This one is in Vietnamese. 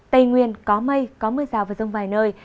tây nguyên có mây có mưa rào và rông vài nơi